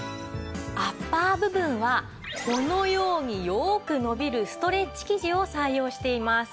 アッパー部分はこのようによく伸びるストレッチ生地を採用しています。